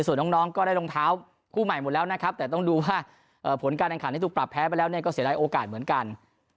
ส่วนน้องก็ได้รองเท้าคู่ใหม่หมดแล้วนะครับแต่ต้องดูว่าผลการแข่งขันที่ถูกปรับแพ้ไปแล้วเนี่ยก็เสียดายโอกาสเหมือนกัน